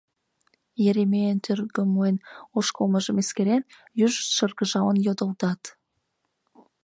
— Еремейын тӧргымлен ошкылмыжым эскерен, южышт шыргыжалын йодылдат.